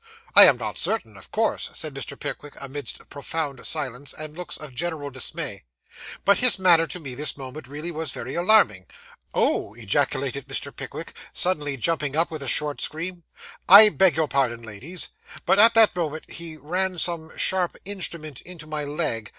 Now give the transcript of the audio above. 'I am not certain, of course,' said Mr. Pickwick, amidst profound silence and looks of general dismay; 'but his manner to me this moment really was very alarming. Oh!' ejaculated Mr. Pickwick, suddenly jumping up with a short scream. 'I beg your pardon, ladies, but at that moment he ran some sharp instrument into my leg.